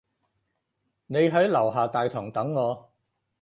你喺樓下大堂等我